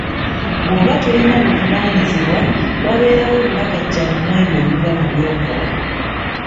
Bw'oba tolina buvunaanyizibwa wabeerawo obulagajjavu mw'ebyo ebiva mu by'okola.